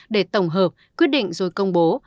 để tổng hợp quyết định rồi công bố